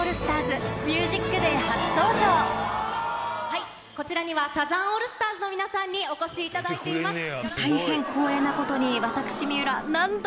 はいこちらにはサザンオールスターズの皆さんにお越しいただいています。